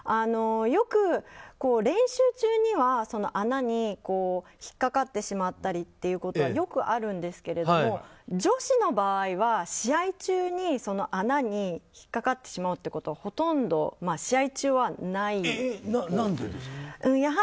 よく練習中には穴に引っかかってしまったりということはよくあるんですけれども女子の場合は試合中に、穴に引っかかってしまうということはほとんど試合中はないです。